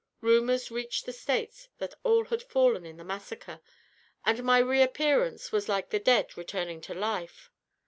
Rumors reached the States that all had fallen in the massacre, and my reappearance was like the dead returning to life.